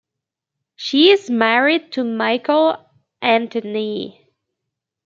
She is married to Michael Anteney.